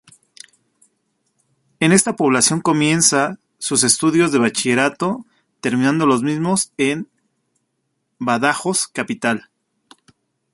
En esta población comienza sus estudios de Bachillerato, terminando los mismos en Badajoz capital.